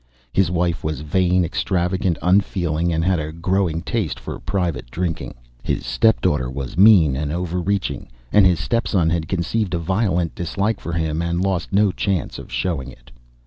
His wife was vain, extravagant, unfeeling, and had a growing taste for private drinking; his step daughter was mean and over reaching; and his step son had conceived a violent dislike for him, and lost no chance of showing it.